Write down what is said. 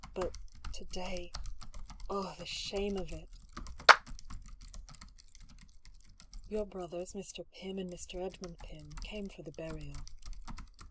But — to day — the shame of it ! Your brothers, Mr. Pym and Mr. Edmund Pym, came for the burial.